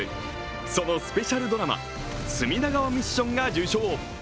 そのスペシャルドラマ「隅田川ミッション」が受賞。